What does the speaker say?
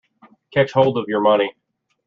Catch hold of your money.